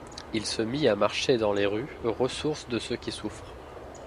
Il se mit à marcher dans les rues, ressource de ceux qui souffrent.